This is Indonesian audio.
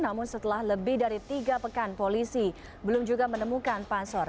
namun setelah lebih dari tiga pekan polisi belum juga menemukan pansor